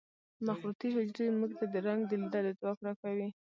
مخروطي حجرې موږ ته د رنګ د لیدلو ځواک را کوي.